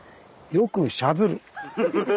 よくしゃべる。